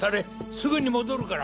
すぐに戻るから。